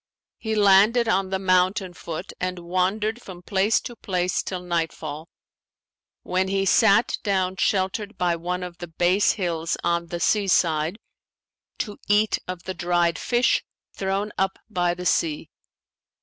He landed on the mountain foot and wandered from place to place till nightfall, when he sat down sheltered by one of the base hills on the sea side, to eat of the dried fish thrown up by the sea.